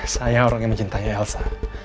saya orang yang mencintai elsa